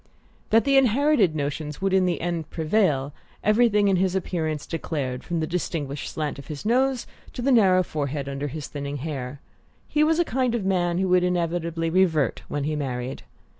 That the inherited notions would in the end prevail, everything in his appearance declared from the distinguished slant of his nose to the narrow forehead under his thinning hair; he was the kind of man who would inevitably "revert" when he married.